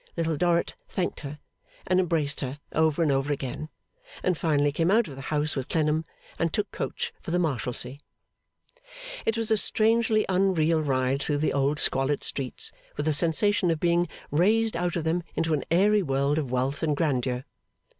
Little Dorrit thanked her, and embraced her, over and over again; and finally came out of the house with Clennam, and took coach for the Marshalsea. It was a strangely unreal ride through the old squalid streets, with a sensation of being raised out of them into an airy world of wealth and grandeur.